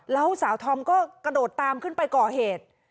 แล้วสาวธอมก็กระโดดตามขึ้นไปก่อเหตุ